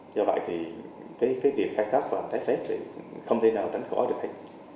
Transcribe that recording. do vậy thì việc khai thác vàng trái phép không thể nào tránh khỏi được